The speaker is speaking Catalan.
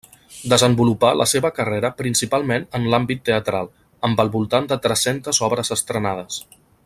Desenvolupà la seva carrera principalment en l'àmbit teatral, amb al voltant de tres-centes obres estrenades.